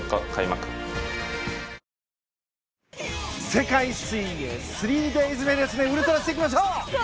世界水泳３デイズにウルトラしていきましょう！